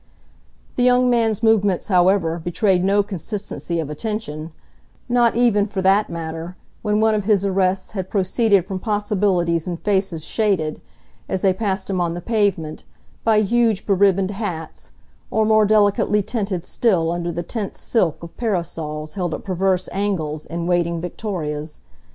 The young man's movements, however, betrayed no consistency of attention not even, for that matter, when one of his arrests had proceeded from possibilities in faces shaded, as they passed him on the pavement, by huge beribboned hats, or more delicately tinted still under the tense silk of parasols held at perverse angles in waiting victorias.